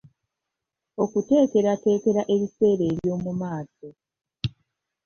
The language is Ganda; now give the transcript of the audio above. Okuteekerateekera ebiseera eby’omu maaso.